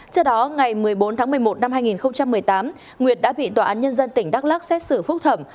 trước đó ngày một mươi bốn tháng một mươi một năm hai nghìn một mươi tám nguyệt đã bị tòa án nhân dân tỉnh đắk lắc xét xử phúc thẩm